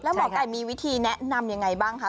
แล้วบอกไก่มีวิธีแนะนำอย่างไรบ้างค่ะ